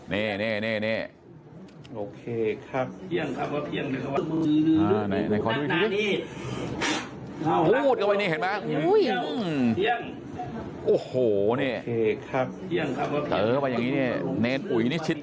นี่นี่นี่โอเคครับดูอีกเห็นมั้ยโอ้โหนี่ครับในอุ่ยนี่ชิด